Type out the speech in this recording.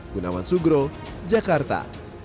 gunawan sugro jakarta